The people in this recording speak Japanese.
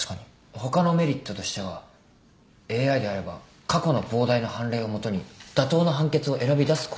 他のメリットとしてはＡＩであれば過去の膨大な判例を基に妥当な判決を選び出すことができる。